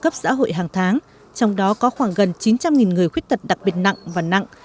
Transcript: cấp xã hội hàng tháng trong đó có khoảng gần chín trăm linh người khuyết tật đặc biệt nặng và nặng